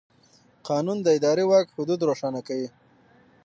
قانون د اداري واک حدود روښانه کوي.